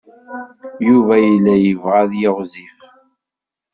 Yuba yella yebɣa ad yiɣzif.